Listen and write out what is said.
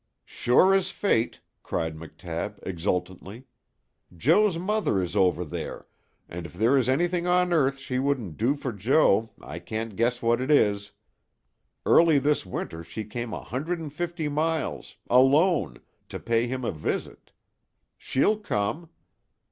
"Sure as fate!" cried McTabb, exultantly. "Joe's mother is over there, and if there is anything on earth she won't do for Joe I can't guess what it is. Early this winter she came a hundred and fifty miles alone to pay him a visit. She'll come.